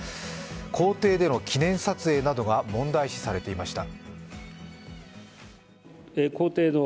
公邸での記念撮影などが問題視されていました。